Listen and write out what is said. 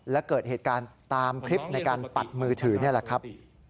และเกิดเหตุการณ์ตามคลิปในการปัดมือถือนี่แหละครับ